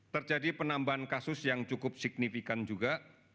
terjadi penambahan kasus yang cukup signifikan juga